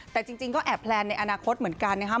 แต่จริงก็แอบแพลนในอนาคตเหมือนกันนะครับ